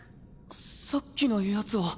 さっきのヤツは？